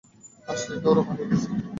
হ্যাঁ, সে দৌড়ে পালিয়ে গেছে।